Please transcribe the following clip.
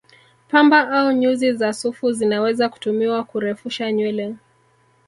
Pamba au nyuzi za sufu zinaweza kutumiwa kurefusha nywele